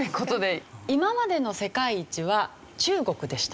今までの世界一は中国でした。